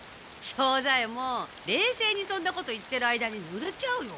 庄左ヱ門れいせいにそんなこと言ってる間にぬれちゃうよ。